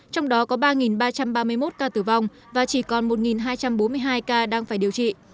trong đó có ba ba trăm ba mươi một ca tử vong và chỉ còn một hai trăm bốn mươi hai ca đang phải điều trị